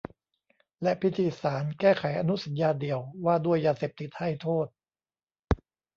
และพิธีสารแก้ไขอนุสัญญาเดี่ยวว่าด้วยยาเสพติดให้โทษ